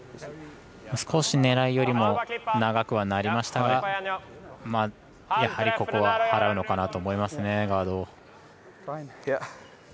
少し狙いよりも長くはなりましたがやはり、ここは払うのかなと思いますね、ガードを。